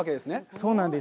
そうなんです。